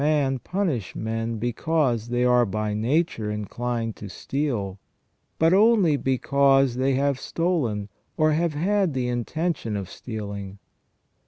231 man punish men because they are by nature inclined to steal, but only because they have stolen or have had the intention of stealing.